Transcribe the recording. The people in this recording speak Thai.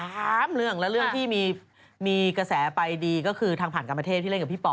หนึ่งที่มีกระแสไปดีก็คือทางผ่านกรรมเทพที่เล่นกับพี่ป๋อ